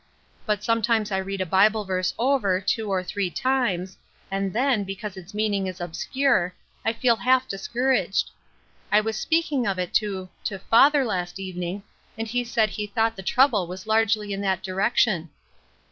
But sometimes I read a Bible verse over two or three times, and then, because its meaning is obscure, I feel half dis couraged. I was speaking of it to — to father last evening, and he said he thought the trouble was largely in that direction."